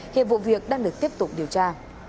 hiệp vụ việc đang được tiếp tục điều tra